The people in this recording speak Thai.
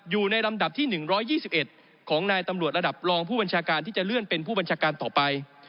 อยู่ในลำดับที่๑๒๑ของนายตำรวจระดับรองผู้บัญชาการที่จะเลื่อนเป็นผู้บัญชาการต่อไป